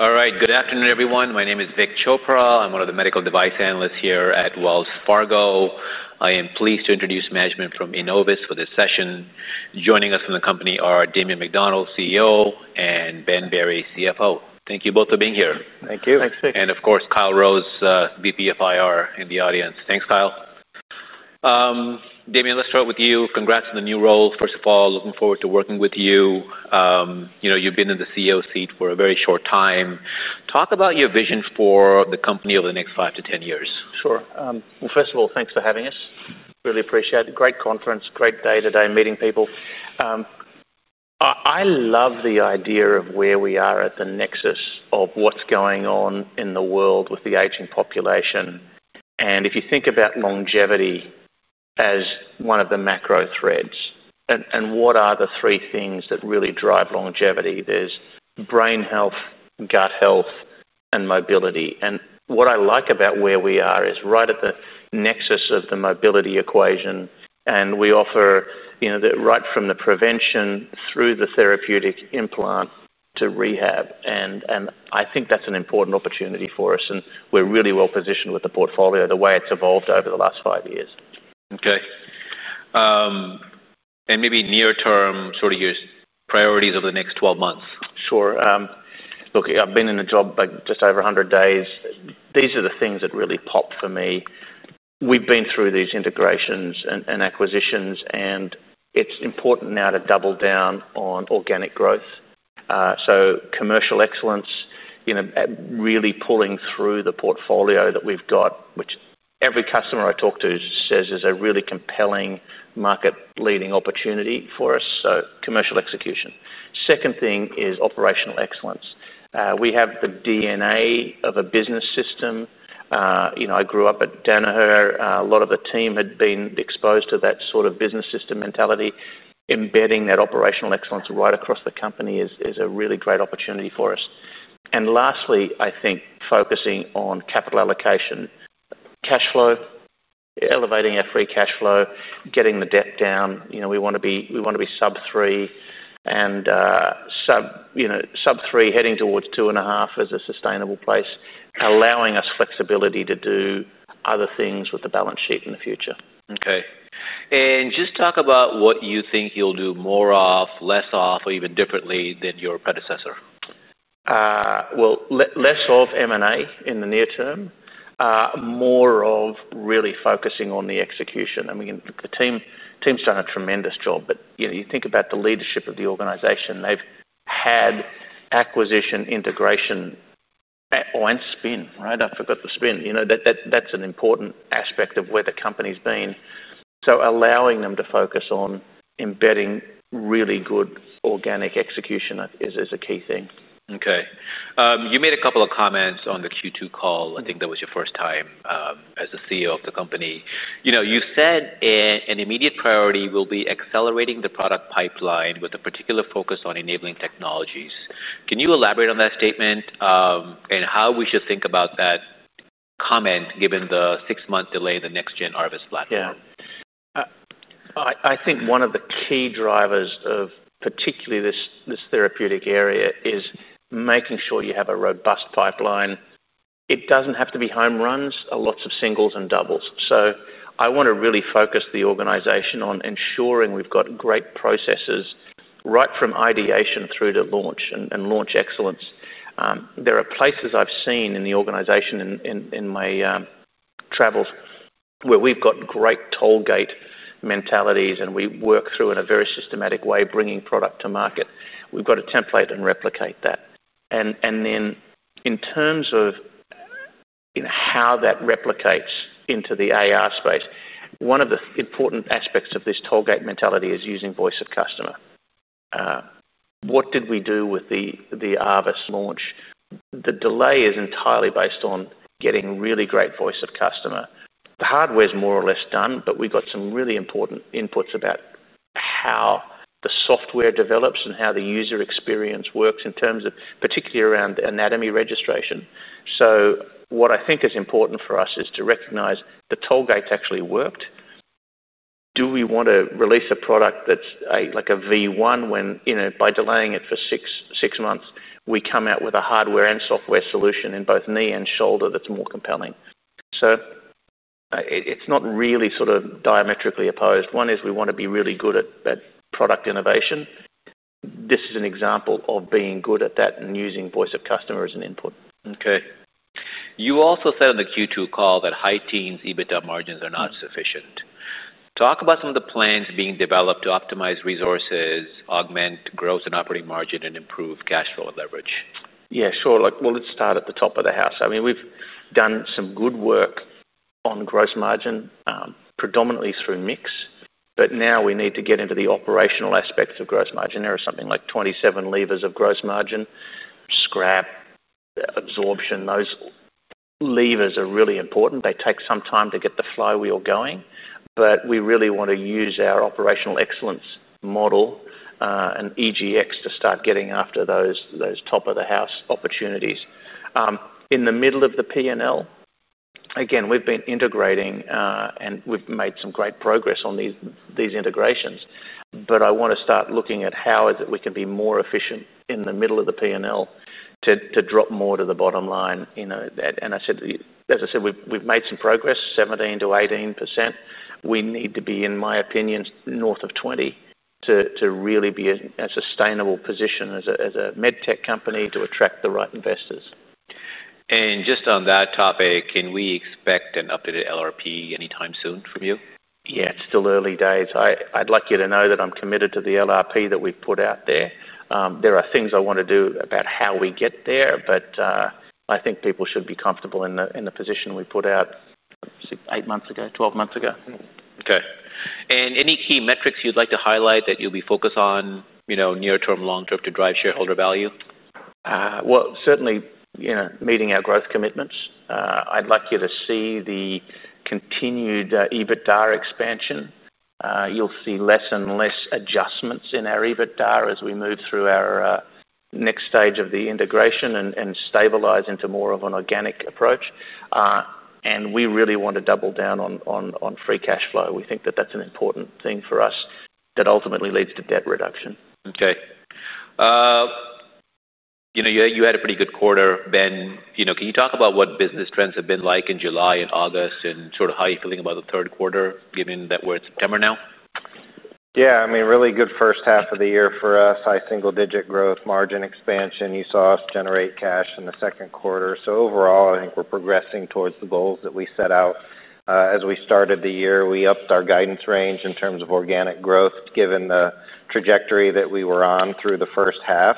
All right. Good afternoon, everyone. My name is Vik Chopra. I'm one of the Medical Device Analysts here at Wells Fargo. I am pleased to introduce management from Innovus for this session. Joining us from the company are Damian McDonald, CEO and Ben Barry, CFO. Thank you both for being here. Thank you. Thanks, Steve. And of course, Kyle Rose, VP of IR in the audience. Thanks, Kyle. Damian, let's start with you. Congrats on the new role. First of all, looking forward to working with you. You've been in the CEO seat for a very short time. Talk about your vision for the company over the next five to ten years. Sure. Well, first of all, thanks for having us. Really appreciate it. Great conference, great day to day meeting people. I love the idea of where we are at the nexus of what's going on in the world with the aging population. And if you think about longevity as one of the macro threads and what are the three things that really drive longevity, is brain health, gut health and mobility. And what I like about where we are is right at the nexus of the mobility equation and we offer right from the prevention through the therapeutic implant to rehab. And I think that's an important opportunity for us and we're really well positioned with the portfolio the way it's evolved over the last five years. Okay. And maybe near term, sort of your priorities over the next twelve months? Sure. Look, I have been in the job just over one hundred days. These are the things that really popped for me. We have been through these integrations and acquisitions, and it's important now to double down on organic growth. So commercial excellence, really pulling through the portfolio that we've got, which every customer I talk to says is a really compelling market leading opportunity for us, so commercial execution. Second thing is operational excellence. We have the DNA of a business system. I grew up at Danaher. A lot of the team had been exposed to that sort of business system mentality. Embedding that operational excellence right across the company is a really great opportunity for us. And lastly, I think focusing on capital allocation, cash flow, elevating our free cash flow, getting the debt down. We want to be sub-three and sub-three heading towards 2.5 as a sustainable place, allowing us flexibility to do other things with the balance sheet in the future. Okay. And just talk about what you think you'll do more of, less of or even differently than your predecessor? Well, less of M and A in the near term, more of really focusing on the execution. I mean the has done a tremendous job. But you think about the leadership of the organization, they've had acquisition integration and spin, right? I forgot the spin. That's an important aspect of where the company has been. So allowing them to focus on embedding really good organic execution is a key thing. Okay. You made a couple of comments on the Q2 call. I think that was your first time as the CEO of the company. You said an immediate priority will be accelerating the product pipeline with a particular focus on enabling technologies. Can you elaborate on that statement? And how we should think about that comment given the six month delay in the next gen ARVIS platform? I think one of the key drivers of particularly this therapeutic area is making sure you have a robust pipeline. It doesn't have to be home runs, lots of singles and doubles. So I want to really focus the organization on ensuring we've got great processes right from ideation through to launch and launch excellence. There are places I've seen in the organization in my travels where we've got great tollgate mentalities and we work through in a very systematic way bringing product to market. We've got a template and replicate that. And then in terms of how that replicates into the AR space, one of the important aspects of this tollgate mentality is using voice of customer. What did we do with the ARVIS launch? The delay is entirely based on getting really great voice of customer. The hardware is more or less done, but we've got some really important inputs about how the software develops and how the user experience works in terms of particularly around anatomy registration. So what I think is important for us is to recognize the tollgate actually worked. Do we want to release a product that's like a V1 when by delaying it for six months, we come out with a hardware and software solution in both knee and shoulder that's more compelling. So it's not really sort of diametrically opposed. One is we want to be really good at product innovation. This is an example of being good at that and using voice of customer as an input. Okay. You also said on the Q2 call that high teens EBITDA margins are not sufficient. Talk about some of the plans being developed to optimize resources, augment gross and operating margin and improve cash flow and leverage. Yes, sure. Look, we'll start at the top of the house. I mean, we've done some good work on gross margin, predominantly through mix, but now we need to get into the operational aspects of gross margin. There is something like 27 levers of gross margin, scrap absorption. Those levers are really important. They take some time to get the flywheel going, but we really want to use our operational excellence model and EGX to start getting after those top of the house opportunities. In the middle of the P and L, again, we've been integrating, and we've made some great progress on these integrations. But I want to start looking at how is it we can be more efficient in the middle of the P and L to drop more to the bottom line. And I said as I said, we've made some progress, 17% to 18%. We need to be, in my opinion, north of 20% to really be in a sustainable position as a med tech company to attract the right investors. And just on that topic, can we expect an updated LRP anytime soon from you? Yes, it's still early days. I'd like you to know that I'm committed to the LRP that we've put out there. There are things I want to do about how we get there, but I think people should be comfortable in the position we put out, say, eight months ago, twelve months ago. Okay. And any key metrics you'd like to highlight that you'll be focused on near term, long term to drive shareholder value? Well, certainly, meeting our growth commitments. I'd like you to see the continued EBITDA expansion. You'll see less and less adjustments in our EBITDA as we move through our next stage of the integration and stabilize into more of an organic approach. And we really want to double down on free cash flow. We think that that's an important thing for us that ultimately leads to debt reduction. Okay. You had a pretty good quarter. Ben, can you talk about what business trends have been like in July and August and sort of how you are feeling about the third quarter given that we are in September now? Yes. I mean, really good first half of the year for us, high single digit growth You saw us generate cash in the second quarter. So overall, I think we are progressing towards the goals that we set out. As we started the year, we upped our guidance range in terms of organic growth given the trajectory that we were on through the first half.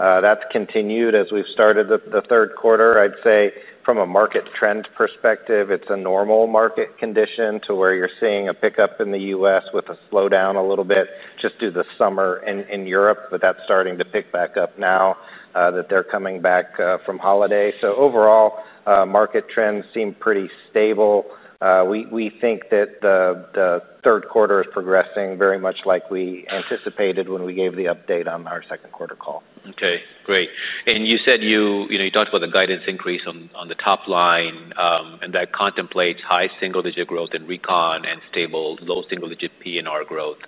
That's continued as we started the third quarter. I'd say from a market trend perspective, it's a normal market condition to where you're seeing a pickup in The U. S. With a slowdown a little bit just due to summer in Europe, but that's starting to pick back up now that they are coming back from holiday. So overall, market trends seem pretty stable. We think that the third quarter is progressing very much like we anticipated when we gave the update on our second quarter call. Okay, great. And you said you talked about the guidance increase on the top line, and that contemplates high single digit growth in recon and stable low single digit PNR growth.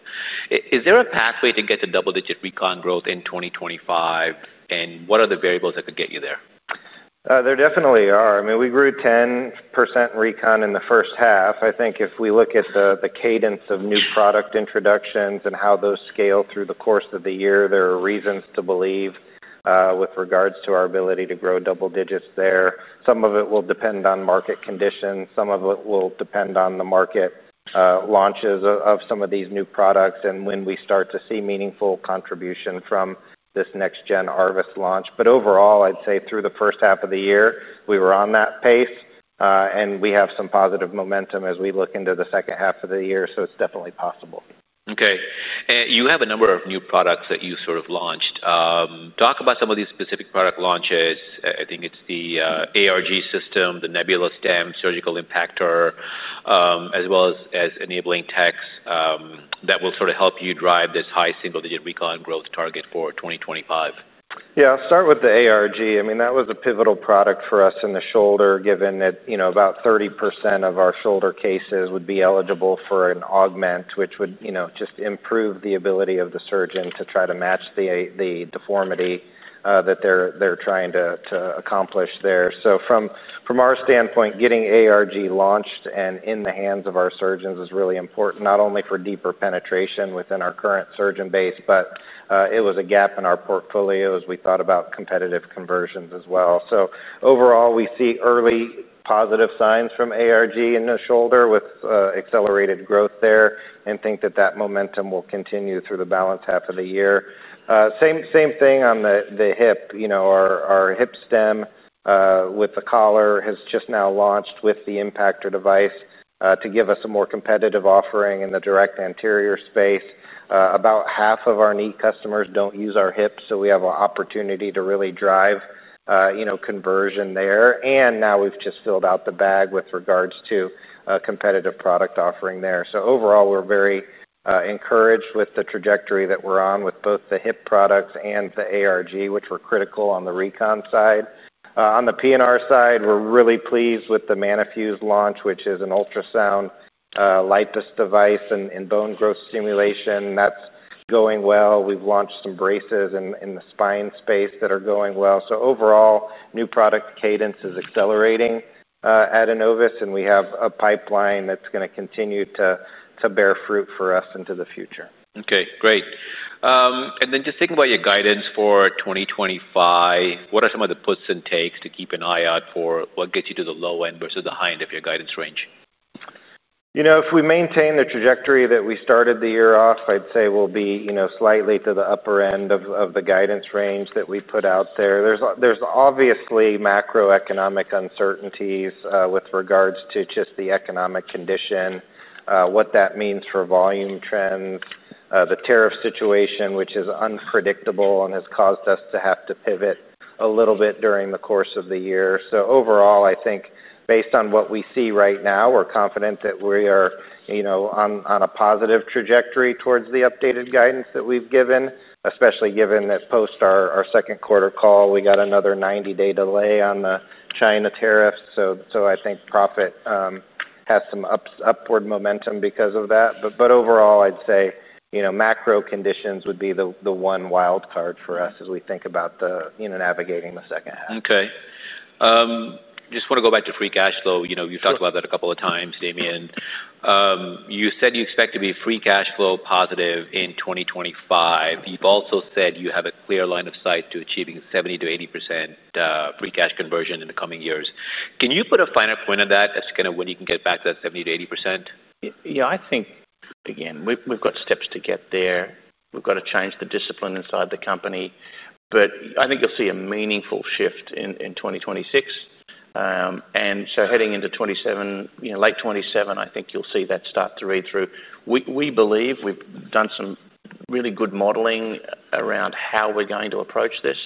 Is there a pathway to get to double digit recon growth in 2025? And what are the variables that could get you there? There definitely are. I mean, we grew 10% recon in the first half. I think if we look at the cadence of new product introductions and how those scale through the course of the year, there are reasons to believe with regards to our ability to grow double digits there. Some of it will depend on market conditions. Some of it will depend on the market launches of some of these new products and when we start to see meaningful contribution from this next gen Arvest launch. But overall, I'd say through the first half of the year, we were on that pace, and we have some positive momentum as we look into the second half of the year. So, it's definitely possible. Okay. You have a number of new products that you sort of launched. Talk about some of these specific product launches. I think it's the ARG system, the NebulaStem, Surgical Impactor, as well as enabling techs that will sort of help you drive this high single digit recon growth target for 2025? Yes. I'll start with the ARG. I mean, that was a pivotal product for us in the shoulder given that about thirty percent of our shoulder cases would be eligible for an AUGMENT, which would just improve the ability of the surgeon to try to match the deformity that they're trying to accomplish there. So from our standpoint, getting ARG launched in the hands of our surgeons is really important, not only for deeper penetration within our current surgeon base, but it was a gap in our portfolio as we thought about competitive conversions as well. So overall, we see early positive signs from ARG in the shoulder with accelerated growth there and think that, that momentum will continue through the balance half of the year. Same thing on the hip. Our hip stem with the collar has just now launched with the impactor device to give us a more competitive offering in the direct anterior space. About half of our knee customers don't use our hips. So we have an opportunity to really drive conversion there. And now we've just filled out the bag with regards to competitive product offering there. So overall, we're very encouraged with the trajectory that we're on with both the hip products and the ARG, which were critical on the recon side. On the PNR side, we're really pleased with the MANIFUS launch, which is an ultrasound, LIPUS device and bone growth stimulation. That's going well. We've launched some braces in the spine space that are going well. So overall, product cadence is accelerating at Innovus, and we have a pipeline that's going to continue to bear fruit for us into the future. Okay, great. And then just thinking about your guidance for 2025, what are some of the puts and takes to keep an eye out for what gets you to the low end versus the high end of your guidance range? If we maintain the trajectory that we started the year off, I'd say we'll be slightly to the upper end of guidance range that we put out there. There's obviously macroeconomic uncertainties with regards to just the economic condition, what that means for volume trends, the tariff situation, which is unpredictable and has caused us to have to pivot a little bit during the course of the year. So overall, I think based on what we see right now, we are confident that we are on a positive trajectory towards the updated guidance that we have given, especially given that post our second quarter call, we got another ninety day delay on the China tariffs. So, think profit has some upward momentum because of that. But overall, I would say macro conditions would be the one wildcard for us as we think about navigating the second half. Okay. Just want to go back to free cash flow. You have talked about that a couple of times, Damian. You said you expect to be free cash flow positive in 2025. You have also said you have a clear line of sight to achieving 70% to 80% free cash conversion in the coming years. Can you put a finer point on that as kind of when you can get back to that 70% to 80%? Yes, I think, again, we've got steps to get there. We've got to change the discipline inside the company. But I think you'll see a meaningful shift in 2026. And so heading into 'twenty seven late 'twenty seven, I think you'll see that start to read through. We believe we've done some really good modeling around how we're going to approach this.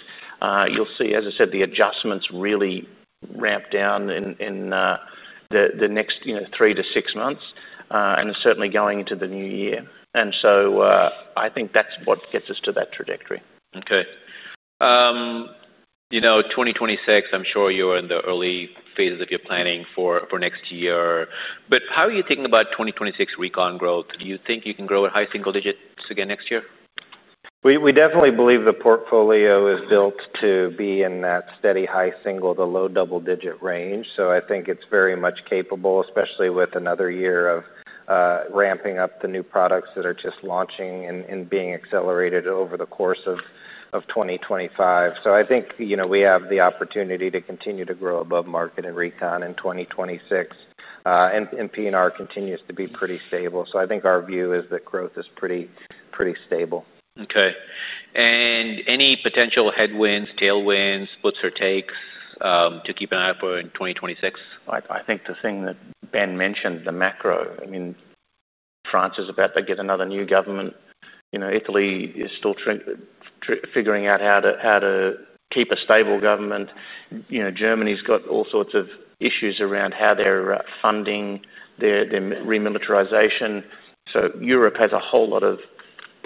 You'll see, as I said, the adjustments really ramp down in the next three to six months and certainly going into the new year. And so I think that's what gets us to that trajectory. Okay. 2026, I'm sure you are in the early phases of your planning for next year, but how are you thinking about 2026 recon growth? Do you think you can grow at high single digits again next year? We definitely believe the portfolio is built to be in that steady high single to low double digit range. So I think it's very much capable, especially with another year of ramping up the new products that are just launching and being accelerated over the course of 2025. So I think we have the opportunity to continue to grow above market in recon in 2026, and P and R continues to be pretty stable. So, I think our view is that growth is pretty stable. Okay. And any potential headwinds, tailwinds, puts or takes to keep an eye out for in 2026? I think the thing that Ben mentioned, the macro, I mean, France is about to get another new government. Italy is still figuring out how to keep a stable government. Germany has got all sorts of issues around how they're funding their remilitarization. So Europe has a whole lot of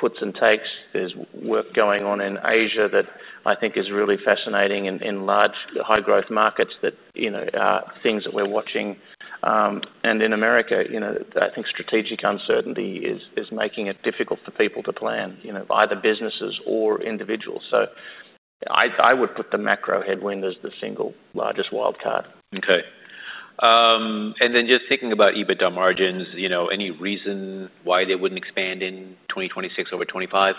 puts and takes. There's work going on in Asia that I think is really fascinating in large high growth markets that things that we're watching. And in America, I think strategic uncertainty is making it difficult for people to plan, either businesses or individuals. So I would put the macro headwind as the single largest wildcard. Okay. And then just thinking about EBITDA margins, any reason why they wouldn't expand in 2026 over 'twenty five?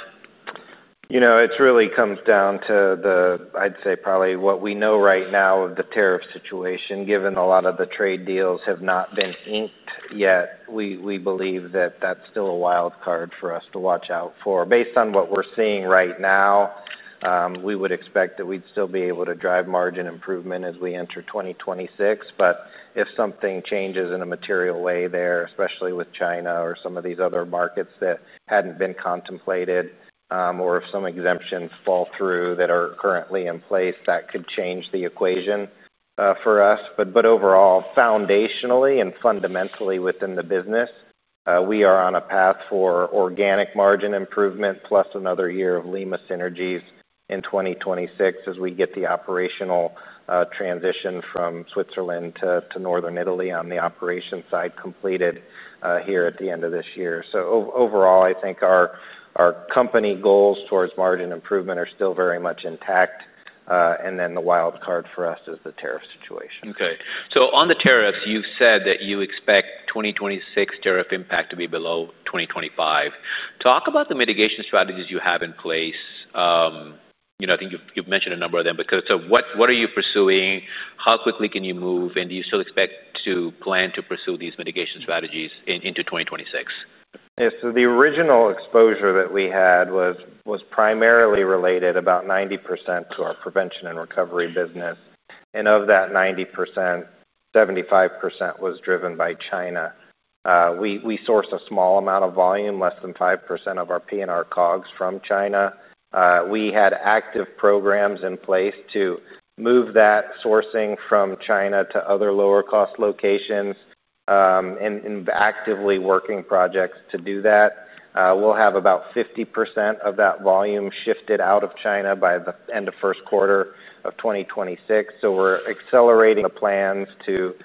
It really comes down to the I'd say probably what we know right now of the tariff situation given a lot of the trade deals have not been inked yet. We believe that that's still a wildcard for us to watch out for. Based on what we're seeing right now, we would expect that we'd still be able to drive margin improvement as we enter 2026. But if something changes in a material way there, especially with China or some of these other markets that hadn't been contemplated or if some exemptions fall through that are currently in place that could change the equation for us. But overall, foundationally and fundamentally within the business, we are on a path for organic margin improvement plus another year of Lima synergies in 2026 as we get the operational transition from Switzerland to Northern Italy on the operations side completed here at the end of this year. So overall, I think our company goals towards margin improvement are still very much intact, and then the wildcard for us is the tariff situation. Okay. So on the tariffs, you have said that you expect 2026 tariff impact to be below 2025. Talk about the mitigation strategies you have in place. I think you've mentioned a number of them, because what are you pursuing? How quickly can you move? And do you still expect to plan to pursue these mitigation strategies into 2026? Yes. So the original exposure that we had was primarily related about 90% to our prevention and recovery business. And of that 90%, 75% was driven by China. We source a small amount of volume, less than 5% of our P and R COGS from China. We had active programs in place to move that sourcing from China to other lower cost locations and actively working projects to do that. We'll have about 50% of that volume shifted out of China by the 2026. So we're accelerating the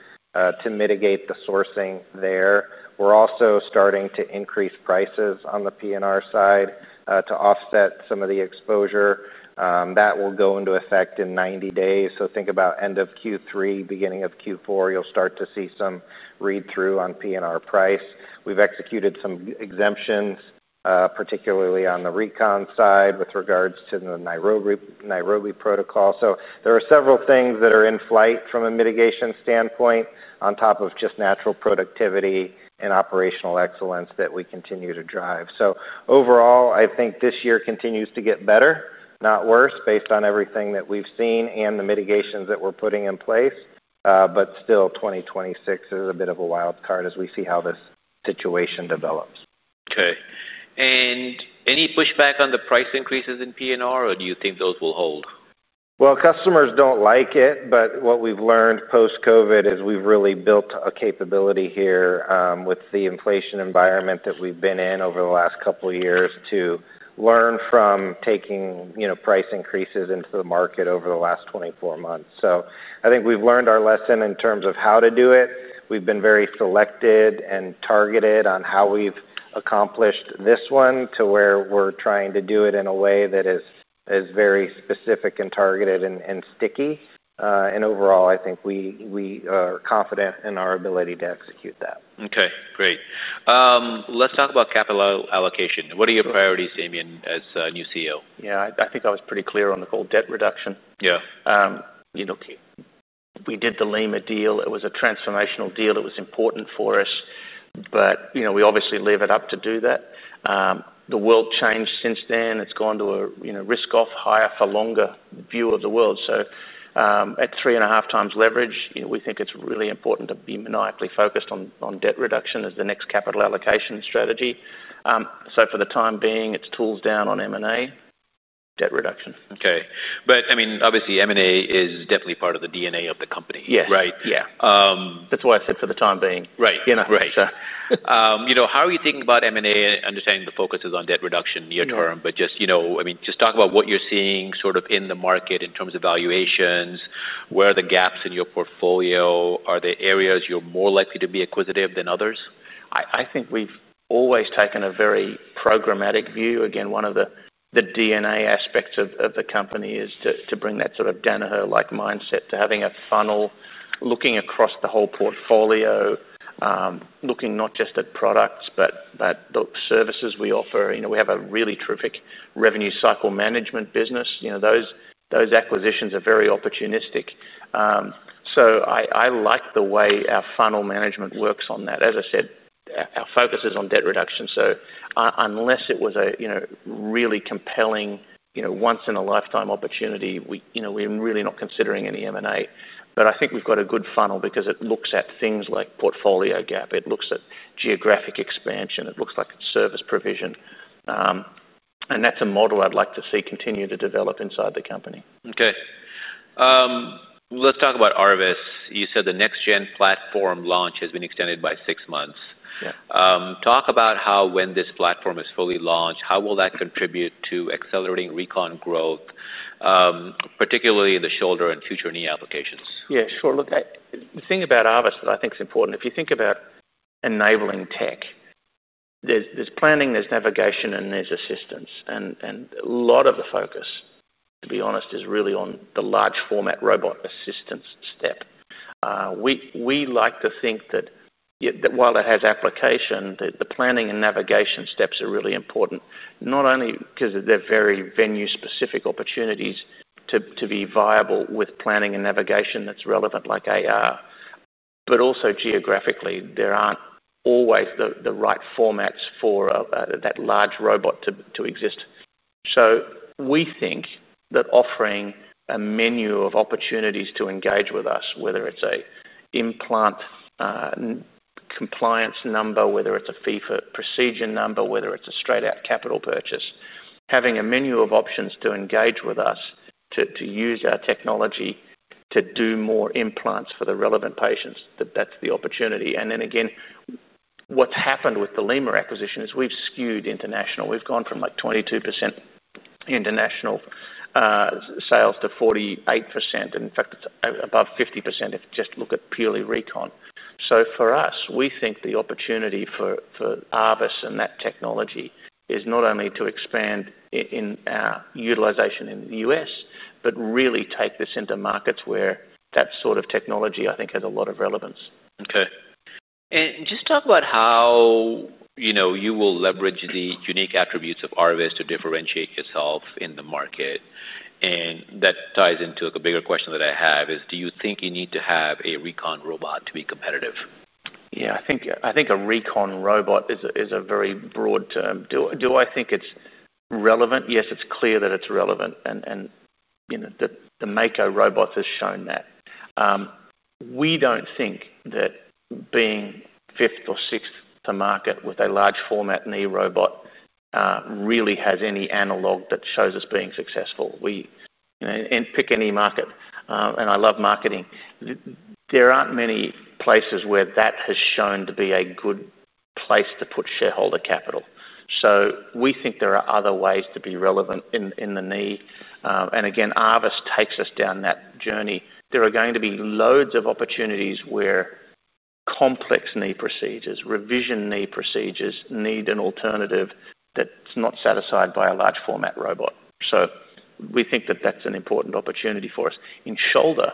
to mitigate the sourcing there. We're also starting to increase prices on the P and R side to offset some of the exposure. That will go into effect in ninety days. So think about end of Q3, beginning of Q4, you'll start to see some read through on PNR price. We have executed some exemptions, particularly on the recon side with regards to the Nairobi protocol. So there are several things that are in flight from a mitigation standpoint on top of just natural productivity and operational excellence that we continue to drive. So overall, I think this year continues to get better, not worse, based on everything that we've seen and the mitigations that we're putting in place, but still 2026 is a bit of a wildcard as we see how this situation develops. Okay. And any pushback on the price increases in P and R or do you think those will hold? Customers don't like it, but what we've learned post COVID is we've really built a capability here, with the inflation environment that we've been in over the last couple of years to learn from taking price increases into the market over the last twenty four months. So, I think we have learned our lesson in terms of how to do it. We have been very selected and targeted on how we have accomplished this one to where we are trying to do it in a way that is very specific and targeted and sticky. And overall, I think we are confident in our ability to execute that. Okay, great. Let's talk about capital allocation. What are your priorities, Damian, as new CEO? Yes. I think I was pretty clear on the call, debt reduction. We did the Lima deal. It was a transformational deal. It was important for us, but we obviously leave it up to do that. The world changed since then. It's gone to a risk off hire for longer view of the world. So at 3.5x leverage, we think it's really important to be maniacally focused on debt reduction as the next capital allocation strategy. So for the time being, it's tools down on M and A, debt reduction. Okay. But I mean, obviously, M and A is definitely part of the DNA of the company, Yes. That's why I said for the time being. Right. How are you thinking about M and A, understanding the focus is on debt reduction near term, but just I mean, just talk about what you are seeing sort of in the market in terms of valuations, where are the gaps in your portfolio, are there areas you are more likely to be acquisitive than others? I think we have always taken a very programmatic view. Again, one of the DNA aspects of the company is to bring that sort of Danaher like mindset to having a funnel looking across the whole portfolio, looking not just at products, but the services we offer. We have a really terrific revenue cycle management business. Those acquisitions are very opportunistic. So I like the way our funnel management works on that. As I said, our focus is on debt reduction. So unless it was a really compelling once in a lifetime opportunity, we're really not considering any M and A. But I think we've got a good funnel because it looks at things like portfolio gap. It looks at geographic expansion. It looks like service provision. And that's a model I'd like to see continue to develop inside the company. Okay. Let's talk about ARVIS. You said the next gen platform launch has been extended by six months. Talk about how when this platform is fully launched, how will that contribute to accelerating recon growth, particularly in the shoulder and future knee applications? Yes, sure. Look, the thing about ARVIS that I think is important, if you think about enabling tech, there's planning, there's navigation and there's assistance. And a lot of the focus, to be honest, is really on the large format robot assistance step. We like to think that while it has application, the planning and navigation steps are really important, not only because they're very venue specific opportunities to be viable with planning and navigation that's relevant like AR, But also geographically, there aren't always the right formats for that large robot to exist. So we think that offering a menu of opportunities to engage with us, whether it's a implant compliance number, whether it's a fee for procedure number, whether it's a straight out capital purchase, having a menu of options to engage with us to use our technology to do more implants for the relevant patients, that's the opportunity. And then again, what's happened with the Lima acquisition is we've skewed international. We've gone from like 22% international sales to 48%. In fact, it's above 50% if you just look at purely recon. So for us, we think the opportunity for ARVIS and that technology is not only to expand in our utilization in The U. S, but really take this into markets where that sort of technology, I think, has a lot of relevance. Okay. And just talk about how you will leverage the unique attributes of Arvis to differentiate yourself in the market? And that ties into the bigger question that I have is do you think you need to have a recon robot to be competitive? Yes. I think a recon robot is a very broad term. Do I think it's relevant? Yes, it's clear that it's relevant. And the Mako robots have shown that. We don't think that being fifth or sixth to market with a large format knee robot really has any analog that shows us being successful. We and pick any market, and I love marketing. There aren't many places where that has shown to be a good place to put shareholder capital. So we think there are other ways to be relevant in the knee. And again, Arvis takes us down that journey. There are going to be loads of opportunities where complex knee procedures, revision knee procedures need an alternative that's not satisfied by a large format robot. So we think that, that's an important opportunity for us. In shoulder,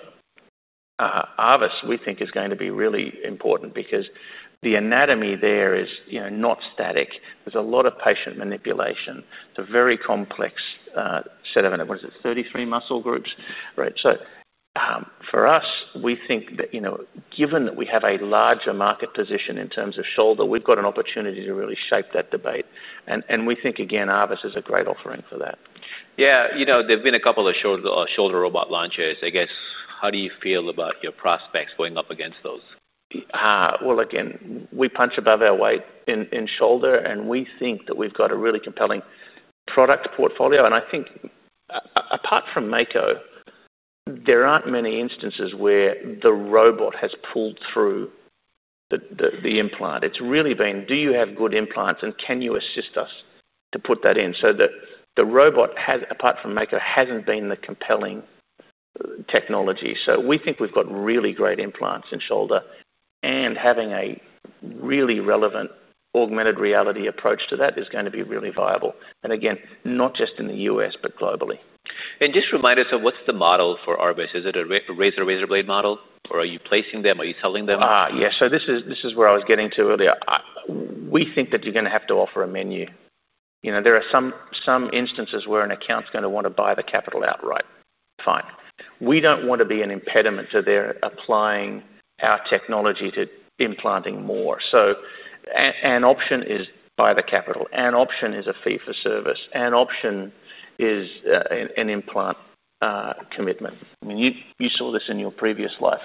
ARVIS, we think, is going to be really important because the anatomy there is not static. There's a lot of patient manipulation. It's a very complex set of what is it, 33 muscle groups, right? So for us, we think that given that we have a larger market position in terms of shoulder, we've got an opportunity to really shape that debate. And we think, again, ARVIS is a great offering for that. Yes. There have been a couple of shoulder robot launches. I guess, how do you feel about your prospects going up against those? Well, again, we punch above our weight in shoulder, and we think that we've got a really compelling product portfolio. And I think apart from Mako, there aren't many instances where the robot has pulled through the implant. It's really been, do you have good implants and can you assist us to put that in? So the robot has apart from Mako, hasn't been the compelling technology. So we think we've got really great implants in shoulder. And having a really relevant augmented reality approach to that is going to be really viable, and again, not just in The U. S, but globally. And just remind us of what's the model for ARBIS? Is it a razor razorblade model? Or are you placing them? Are you selling them? Yes. So this is where I was getting to earlier. We think that you're going to have to offer a menu. There are some instances where an account is going to want to buy the capital outright. Fine. We don't want to be an impediment to their applying our technology to implanting more. So an option is by the capital. An option is a fee for service. An option is an implant commitment. I mean, you saw this in your previous life.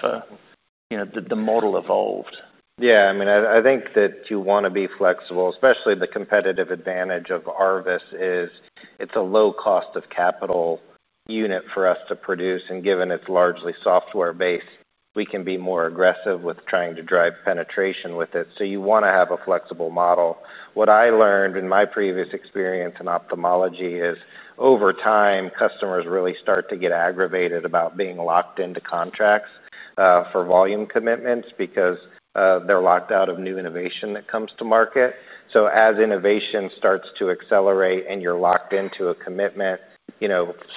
The model evolved. Yes. I mean, I think that you want to be flexible, especially the competitive advantage of ARVIS is it's a low cost of capital unit for us to produce. And given it's largely software based, we can be more aggressive with trying to drive penetration with it. So you want to have a flexible model. What I learned in my previous experience in ophthalmology is over time, customers really start to get aggravated about being locked into contracts for volume commitments, because they are locked out of new innovation that comes to market. So as innovation starts to accelerate and you are locked into a commitment,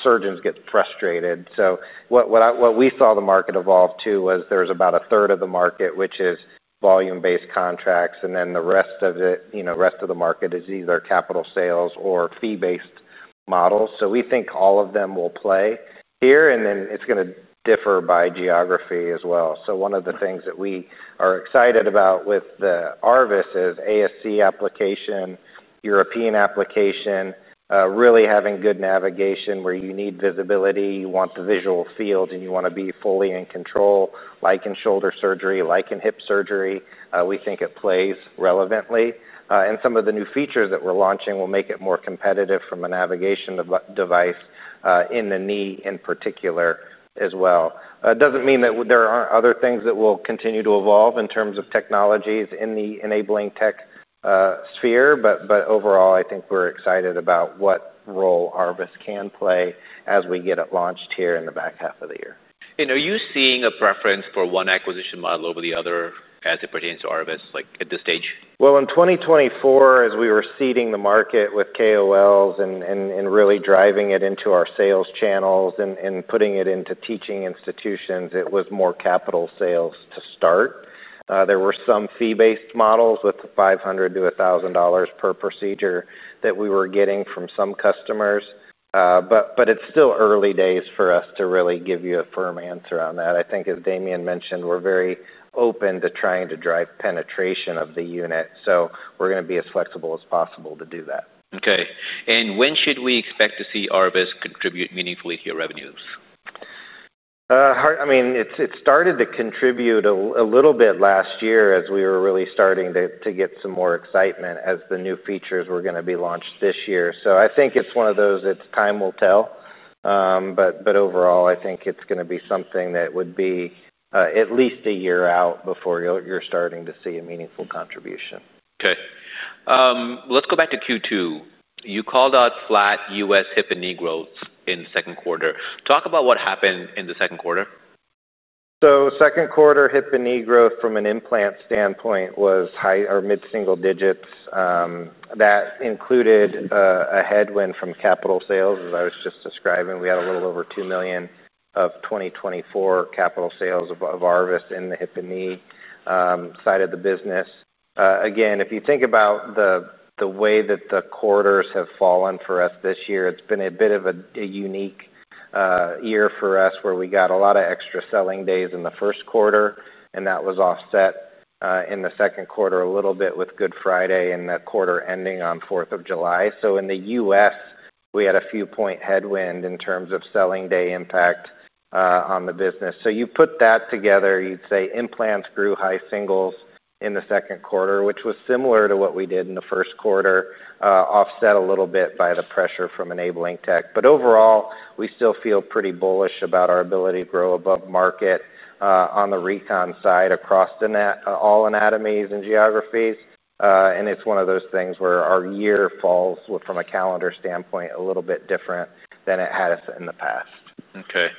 surgeons get frustrated. So what we saw the market evolve to was there is about a third of the market, which is volume based contracts, and then the rest of the market is either capital sales or fee based models. So we think all of them will play here, and then it's going to differ by geography as well. So one of the things that we are excited about with ARVIS is ASC application, European application, really having good navigation where you need visibility, you want the visual field and you want to be fully in control, like in shoulder surgery, like in hip surgery, we think it plays relevantly. And some of the new features that we're launching will make it more competitive from a navigation device in the knee in particular as well. It doesn't mean that there aren't other things that will continue to evolve in terms of technologies in the enabling tech sphere, but overall, I think we are excited about what role Arbus can play as we get it launched here in the back half of the year. And are you seeing a preference for one acquisition model over the other as it pertains to Arvest like at this stage? Well, in 2024, as we were seeding the market with KOLs and really driving it into our sales channels and putting it into teaching institutions, it was more capital sales to start. There were some fee based models with $500 to $1,000 per procedure that we were getting from some customers, But it's still early days for us to really give you a firm answer on that. I think as Damian mentioned, we are very open to trying to drive penetration of the unit. So, are going to be as flexible as possible to do that. Okay. And when should we expect to see ARBIS contribute meaningfully to your revenues? I mean, it started to contribute a little bit last year as we were really starting to get some more excitement as the new features were launched this year. So, I think it's one of those that time will tell, but overall, I think it's going to be something that would be at least a year out before you are starting to see a meaningful contribution. Okay. Let's go back to Q2. You called out flat U. S. Hip and knee growth in the second quarter. Talk about what happened in the second quarter? So, second quarter hip and knee growth from an implant standpoint was high or mid single digits. That included a headwind from capital sales, as I was just describing. We had a little over $2,000,000 of 2020 4 capital sales of ARVIS in the hip and knee side of the business. Again, if you think about the way that the quarters have fallen for us this year, it's been a bit of a unique year for us where we got a lot of extra selling days in the first quarter, and that was offset in the second quarter a little bit with Good Friday in that quarter ending on July 4. So in The U. S, we had a few point headwind in terms of selling day impact on the business. So you put that together, you'd say implants grew high singles in the second quarter, which was similar to what we did in the first quarter, offset a little bit by the pressure from Enabling Tech. But overall, we still feel pretty bullish about our ability to grow above market on the recon side across all anatomies and geographies. And it's one of those things where our year falls from a calendar standpoint a little bit different than it has in the past. Okay.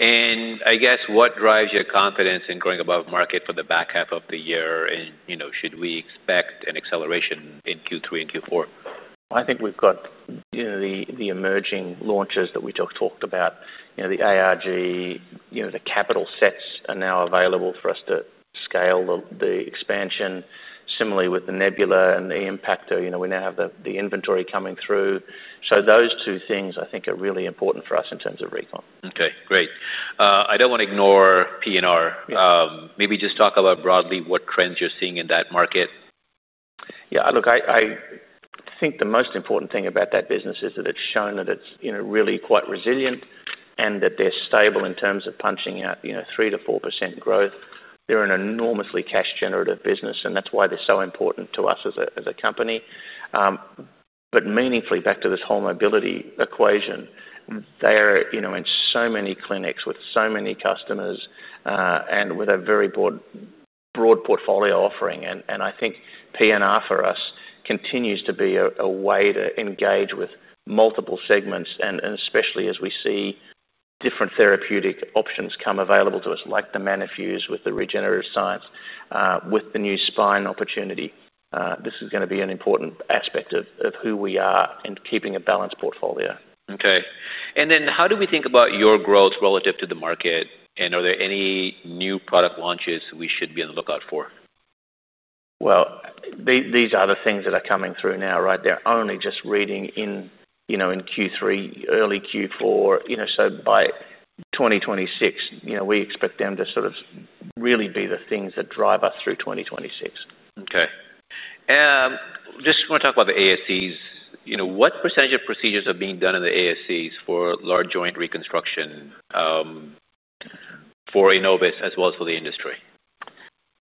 And I guess what drives your confidence in growing above market for the back half of the year? And should we expect an acceleration in Q3 and Q4? I think we've got the emerging launches that we just talked about, the ARG, the capital sets are now available for us to scale the expansion. Similarly with the Nebula and the impact, we now have the inventory coming through. So those two things, I think, are really important for us in terms of recon. Okay, great. I don't want to ignore P and R. Maybe just talk about broadly what trends you are seeing in that market? Yes. Look, think the most important thing about that business is that it's shown that it's really quite resilient and that they are stable in terms of punching out 3% to 4% growth. They're an enormously cash generative business, and that's why they're so important to us as a company. But meaningfully, back to this whole mobility equation, they are in so many clinics with so many customers and with a very broad portfolio offering. And I think PNR for us continues to be a way to engage with multiple segments and especially as we see different therapeutic options come available to us like the MANIFUSE with the regenerative science with the new spine opportunity. This is going to be an important aspect of who we are and keeping a balanced portfolio. Okay. And then how do we think about your growth relative to the market? And are there any new product launches we should be on the lookout for? Well, these are the things that are coming through now, right? They are only just reading in Q3, early Q4. So, 2026, we expect them to sort of really be the things that drive us through 2026. Okay. Just want to talk about the ASCs. What percentage of procedures are being done in the ASCs for large joint reconstruction for Innovus as well as for the industry?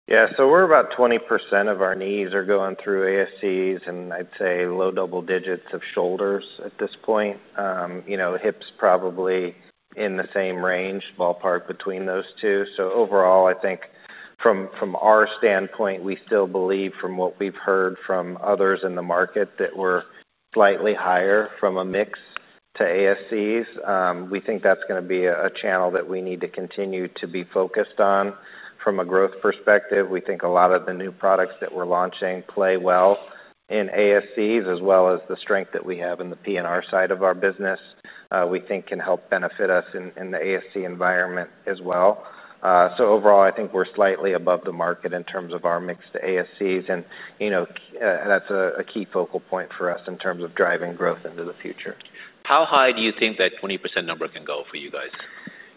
Yes. So we are about 20% of our knees are going through ASCs and I would say low double digits of shoulders at this point. Hips probably in the same range ballpark between those two. So overall, I think from our standpoint, we still believe from what we've heard from others in the market that we're slightly higher from a mix to ASCs. We think that's going to be a channel that we need to continue to be focused on. From a growth perspective. We think a lot of the new products that we're launching play well in ASCs as well as the strength that we have in the P and R side of our business, we think can help benefit us in the ASC environment as well. So overall, I think we're slightly above the market in terms of our mix to ASCs, and that's a key focal point for us in terms of driving growth into the future. How high do you think that 20% number can go for you guys?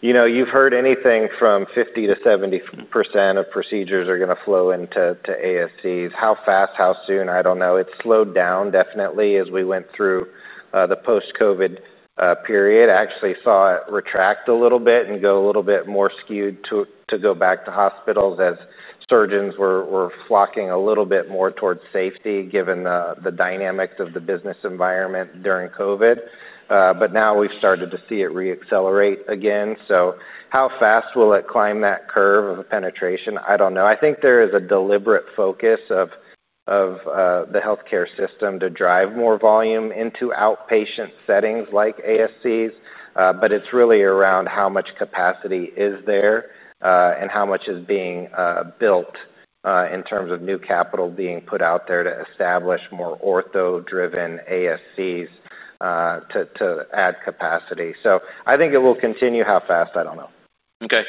You've heard anything from 50% to 70% of procedures are going to flow into ASCs. How fast, how soon, I don't know. It slowed down definitely as we went through the post COVID period. I actually saw it retract a little bit and go a little bit more skewed to go back to hospitals as surgeons were flocking a little bit more towards safety, given the dynamics of the business environment during COVID. But now we have started to see it reaccelerate again. So how fast will it climb that curve of penetration? I don't know. I think there is a deliberate focus of the healthcare system to drive more volume into outpatient settings like ASCs, but it's really around how much capacity is there and how much is being built in terms of new capital being put out there to establish more ortho driven ASCs to add capacity. So I think it will continue. How fast? I don't know. Okay.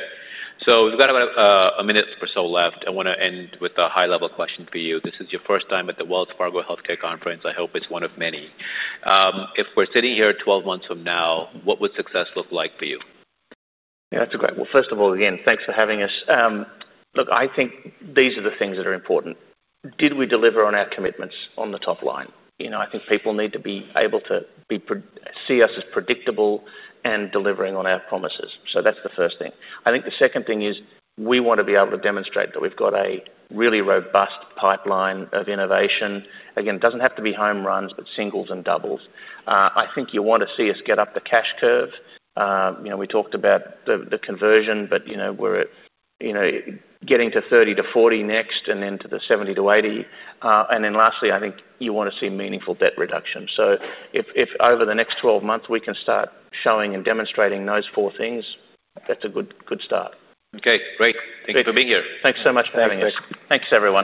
So we've got about a minute or so left. I want to end with a high level question for you. This is your first time at the Wells Fargo Healthcare Conference. I hope it's one of many. If we are sitting here twelve months from now, what would success look like for you? Yes, it's great. Well, first of all, again, thanks for having us. Look, I think these are the things that are important. Did we deliver on our commitments on the top line? I think people need to be able to see us as predictable and delivering on our promises. So that's the first thing. I think the second thing is we want to be able to demonstrate that we've got a really robust pipeline of innovation. Again, doesn't have to be home runs, but singles and doubles. I think you want to see us get up the cash curve. We talked about the conversion, but we're getting to 30 to 40 next and then to the 70 to 80. And then lastly, I think you want to see meaningful debt reduction. So if over the next twelve months, we can start showing and demonstrating those four things, that's a good start. Okay, great. Thanks so much for Thanks, having everyone.